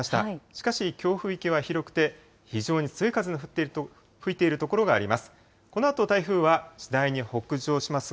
しかし、強風域は広くて、非常に強い風の吹いている所があります。